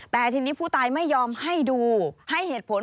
แต่ทีนี้ผู้ตายไม่ยอมให้ดูให้เหตุผล